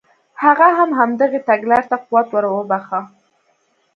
هغه هم همدغې تګلارې ته قوت ور وبخښه.